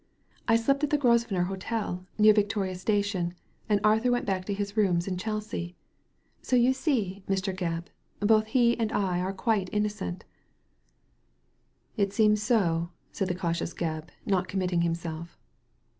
I slept at the Grosvenor Hotel, near the Victoria Station, and Arthur went back to his rooms in Chelsea. So you see, Mr. Gebb, both he and I are quite innocent" ^ It seems so," said the cautious Gebb, not com* mitting himself.